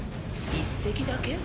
１隻だけ？